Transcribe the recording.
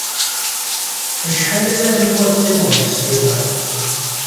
Acḥal ara rnuɣ ad qqimeɣ deg sbiṛar?